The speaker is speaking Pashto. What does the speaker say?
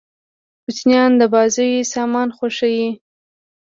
کوچنيان د بازيو سامان خوښيي.